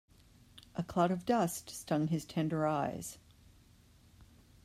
A cloud of dust stung his tender eyes.